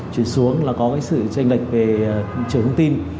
chuyển xuống là có sự tranh đạch về trường thông tin